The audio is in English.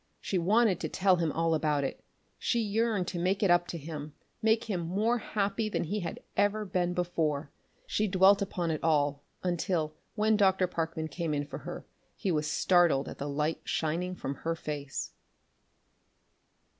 She wanted to tell him all about it; she yearned to "make it up to him," make him more happy than he had ever been before. She dwelt upon it all until, when Dr. Parkman came in for her, he was startled at the light shining from her face.